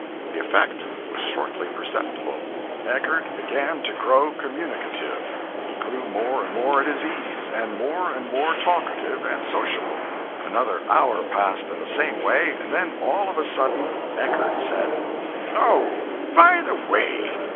The effect was shortly perceptible. Eckert began to grow communicative; he grew more and more at his ease, and more and more talkative and sociable. Another hour passed in the same way, and then all of a sudden Eckert said: "Oh, by the way!